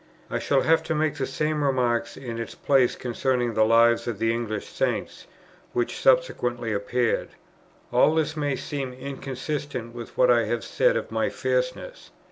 I shall have to make the same remark in its place concerning the Lives of the English Saints, which subsequently appeared. All this may seem inconsistent with what I have said of my fierceness.